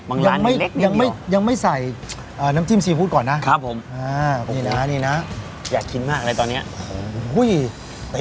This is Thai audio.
อืมเป็นไงแล้วครับพ่ออืมฟินไหมครับฟินไหมครับ